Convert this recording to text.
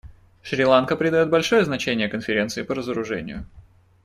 Шри-Ланка придает большое значение Конференции по разоружению.